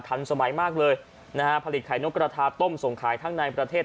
ทันสมัยมากเลยนะฮะผลิตไข่นกกระทาต้มส่งขายทั้งในประเทศ